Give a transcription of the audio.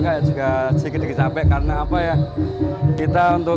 adik hari ini enggak akan begitu